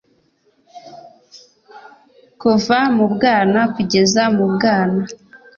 kuva mu bwana kugeza mu bwana